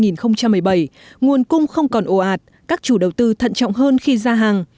năm hai nghìn một mươi bảy nguồn cung không còn ồ ạt các chủ đầu tư thận trọng hơn khi ra hàng